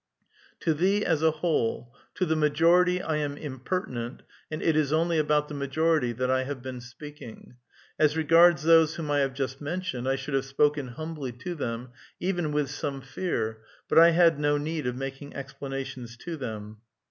To thee as a whole ; to the majority 1 am impertinent, and it is only about the majority that I have been speaking. As regards those whom I have just mentioned I should have spoken humbly to them, even with some fear, but I had no need of making explauations to them.